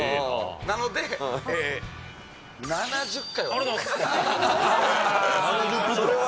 なので７０回。